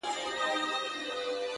o گراني شاعري ستا خوږې خبري ؛